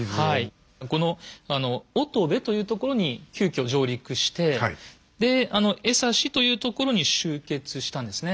この乙部というところに急遽上陸してで江差というところに集結したんですね。